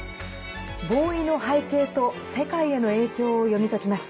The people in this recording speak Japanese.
合意の背景と世界への影響を読み解きます。